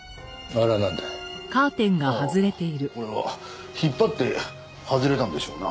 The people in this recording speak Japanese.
ああこれは引っ張って外れたんでしょうな。